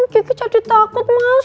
kiki jadi takut mas